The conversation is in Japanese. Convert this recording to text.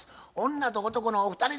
女と男のお二人でした。